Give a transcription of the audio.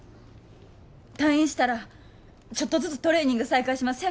退院したらちょっとずつトレーニング再開します。